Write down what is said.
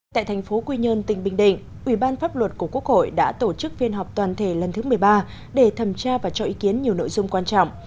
tại thành phố quy nhơn tỉnh bình định ủy ban pháp luật của quốc hội đã tổ chức phiên họp toàn thể lần thứ một mươi ba để thẩm tra và cho ý kiến nhiều nội dung quan trọng